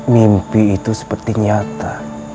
mimpi itu seperti nyata